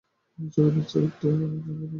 চোখের নীচে কালি কেন?